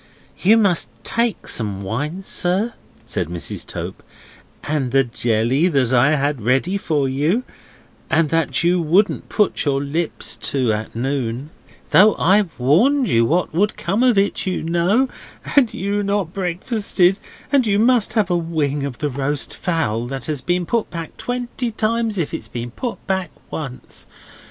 "You must take some wine, sir," said Mrs. Tope, "and the jelly that I had ready for you, and that you wouldn't put your lips to at noon, though I warned you what would come of it, you know, and you not breakfasted; and you must have a wing of the roast fowl that has been put back twenty times if it's been put back once.